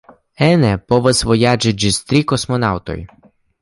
Ene povas vojaĝi ĝis tri kosmonaŭtoj.